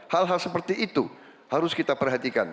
hal seperti itu harus kita perhatikan